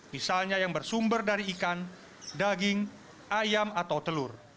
misalnya yang bersumber dari ikan daging ayam atau telur